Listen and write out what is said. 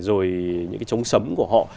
rồi những cái trống sấm của họ